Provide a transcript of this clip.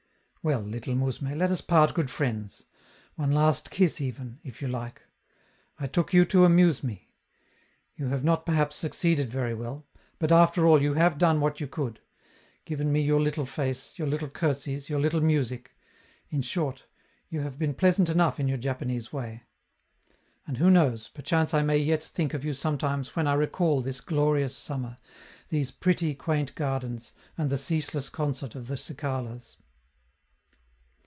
Well, little mousme, let us part good friends; one last kiss even, if you like. I took you to amuse me; you have not perhaps succeeded very well, but after all you have done what you could: given me your little face, your little curtseys, your little music; in short, you have been pleasant enough in your Japanese way. And who knows, perchance I may yet think of you sometimes when I recall this glorious summer, these pretty, quaint gardens, and the ceaseless concert of the cicalas.